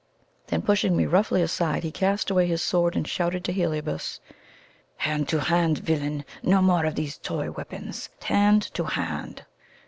Then pushing me roughly aside, he cast away his sword, and shouted to Heliobas: "Hand to hand, villain! No more of these toy weapons! Hand to hand!"